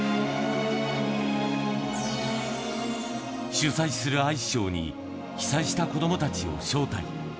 主催するアイスショーに被災した子どもたちを招待。